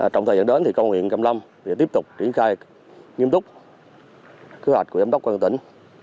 trong thời gian đến thì công huyện cam lâm sẽ tiếp tục triển khai nghiêm túc kế hoạch của giám đốc quân tỉnh